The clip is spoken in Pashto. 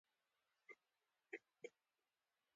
سوګند کوم تر څو چې ژوندی یم بریالی به نه شي.